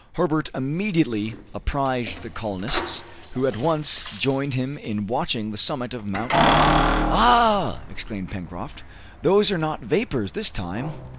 Herbert immediately apprised the colonists, who at once joined him in watching the summit of Mount Franklin. "Ah!" exclaimed Pencroft, "those are not vapors this time!